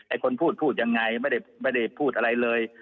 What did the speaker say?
คนพูดพูดยังไงไม่ได้พูดอะไรเลย